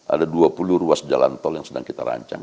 ada dua puluh ruas jalan tol yang sedang kita rancang